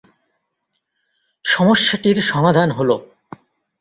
সমস্যাটির সমাধান হল-